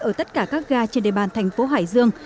ở tất cả các ga trên địa bàn tp hải dương